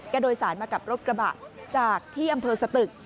โดยสารมากับรถกระบะจากที่อำเภอสตึก